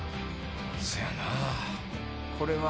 せやなぁこれは。